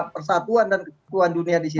persatuan dan ketuhan dunia di sini